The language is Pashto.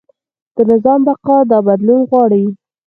د نظام بقا دا بدلون غواړي.